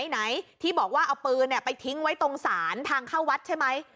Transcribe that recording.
ไหนที่บอกว่าเอาปืนไปทิ้งไว้ตรงศาลทางเข้าวัดใช่ไหม